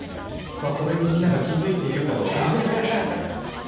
それにみんなが気付いているかどうか。